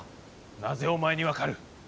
なぜお前に分かる？